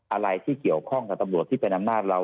อะไรที่เกี่ยวข้องกับตำรวจที่เป็นอำนาจเรา